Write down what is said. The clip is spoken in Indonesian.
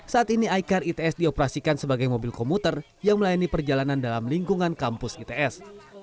saat ini icar its dioperasikan sebagai mobil komuter yang melayani perjalanan dalam lingkungan kampus its